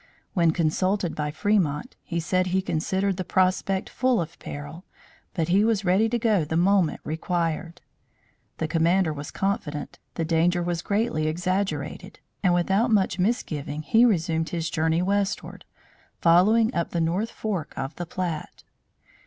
When consulted by Fremont, he said he considered the prospect full of peril, but he was ready to go the moment required. The commander was confident the danger was greatly exaggerated, and, without much misgiving, he resumed his journey westward, following up the north fork of the Platte.